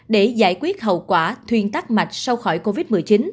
để giải quyết hậu quả thuyền tắc mạch sau khỏi covid một mươi chín